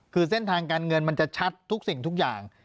คือเส้นทางการเงินมันจะชัดทุกสิ่งทุกอย่าง